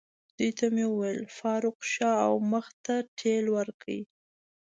دوی ته مې وویل: فاروق، شا او مخ ته ټېله ورکړئ.